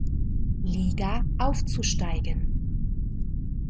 Liga, aufzusteigen.